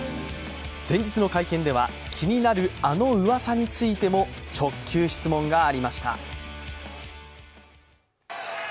前日の会見では気になる、あのうわさについても直球質問がありました。